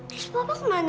terus papa kemana dong